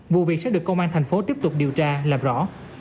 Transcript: vụ việc sẽ được công an thành phố tiếp tục điều tra làm rõ